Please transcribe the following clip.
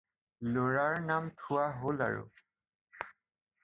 ল'ৰাৰ নাম থোৱা হ'ল আৰু।